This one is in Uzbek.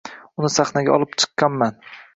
Uni sahnaga olib chiqqanman.